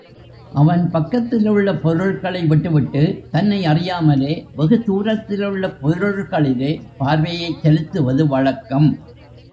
அவன் பக்கத்திலுள்ள பொருள்களை விட்டுவிட்டுத் தன்னை அறியாமலே வெகு தூரத்திலுள்ள பொருள்களிலே பார்வையைச் செலுத்துவது வழக்கம்.